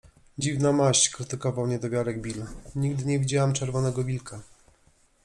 - Dziwna maść - krytykował niedowiarek Bill. - Nigdy nie widziałem czerwonego wilka.